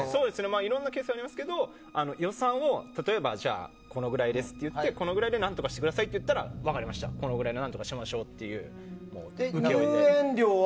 いろんなケースありますけど予算をこのぐらいでって言ってこのぐらいで何とかしてくださいとなったら分かりました何とかしましょうと受けます。